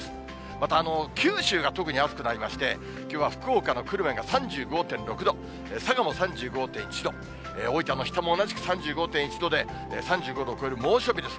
また、九州が特に暑くなりまして、きょうは福岡の久留米が３５．６度、佐賀も３５．１度、大分の日田も同じく３５．１度で、３５度を超える猛暑日です。